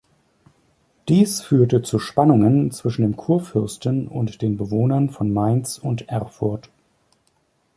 Dies führte zu Spannungen zwischen dem Kurfürsten und den Bewohnern von Mainz und Erfurt.